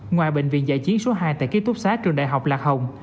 ngoài bệnh viện giải chiến số hai tại ký túc xá trường đại học lạc hồng